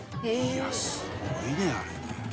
いやすごいねあれね。